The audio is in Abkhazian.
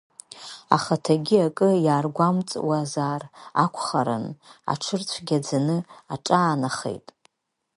Ахаҭагьы акы иаргәамҵуазар акәхарын, аҽырцәгьаӡаны аҿаанахеит.